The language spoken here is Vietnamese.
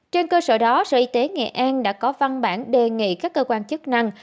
trên cơ sở đó sở y tế nghệ an đã có văn bản đề nghị các cơ quan chức năng